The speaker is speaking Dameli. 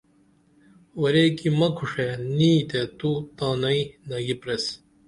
ورے کی مہ کھوڜے نی تے تو تانئی نگی پریس